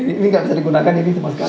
ini nggak bisa digunakan ini sama sekali